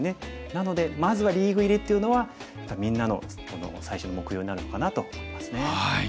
なのでまずはリーグ入りっていうのはやっぱりみんなの最初の目標になるのかなと思いますね。